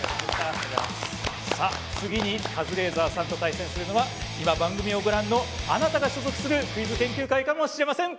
さあ次にカズレーザーさんと対戦するのは今番組をご覧のあなたが所属するクイズ研究会かもしれません。